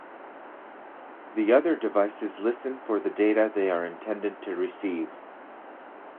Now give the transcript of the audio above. The other devices listen for the data they are intended to receive.